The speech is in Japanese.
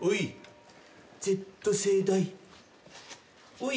おい。